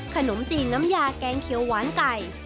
ขนมจีนน้ำยาแกงเขียวหวานไก่